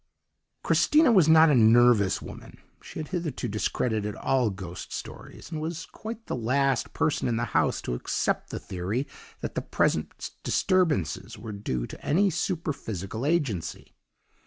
"Christina was not a nervous woman; she had hitherto discredited all ghost stories, and was quite the last person in the house to accept the theory that the present disturbances were due to any superphysical agency.